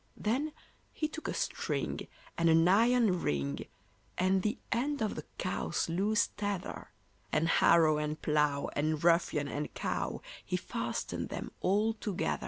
Then he took a string, and an iron ring, And the end of the cow's loose tether, And harrow and plough and ruffian and cow, He fastened them all together.